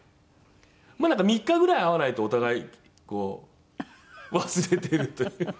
なんか３日ぐらい会わないとお互いこう忘れてるという。